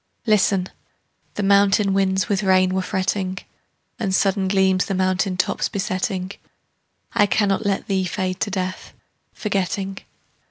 Listen: the mountain winds with rain were fretting, And sudden gleams the mountain tops besetting. I cannot let thee fade to death, forgetting.